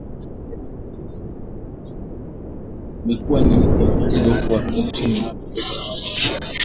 Imekuwa ni wiki ya matatizo huko Afrika Mashariki ambako kumekuwepo na uhaba wa mafuta